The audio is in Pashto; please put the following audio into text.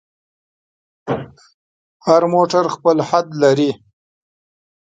هر موټر خپل حد لري.